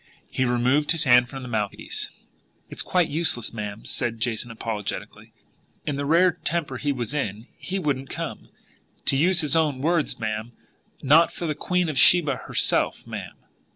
He removed his hand from the mouthpiece. "It's quite useless, ma'am," said Jason apologetically. "In the rare temper he was in, he wouldn't come, to use his own words, ma'am, not for the Queen of Sheba herself, ma'am.